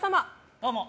どうも。